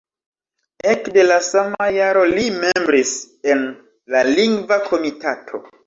Ekde la sama jaro li membris en la Lingva Komitato.